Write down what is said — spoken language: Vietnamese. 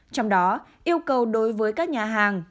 trong đó yêu cầu đối với các nhà hàng